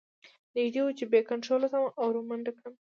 نږدې وه چې بې کنتروله شم او ور منډه کړم